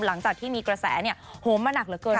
หลังจากที่มีกระแสโหมมาหนักเหลือเกิน